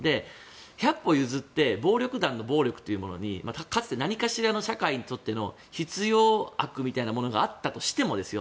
１００歩譲って暴力団の暴力というものにかつて何かしらの社会にとっての必要悪みたいなものがあったとしてもですよ